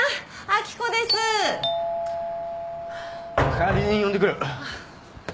・管理人呼んでくる。